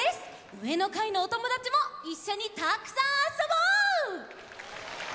うえのかいのおともだちもいっしょにたくさんあそぼう！